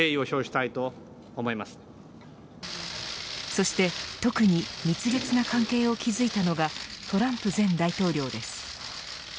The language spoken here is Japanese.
そして特に蜜月な関係を築いたのがトランプ前大統領です。